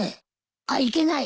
あっいけない。